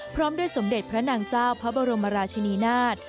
พร้อมด้วยสมเด็จพระนางเจ้าพระบรมราชินีนาฏ